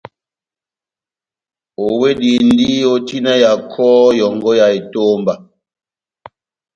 Owedindi ó tina ya kɔhɔ yɔ́ngɔ ya etomba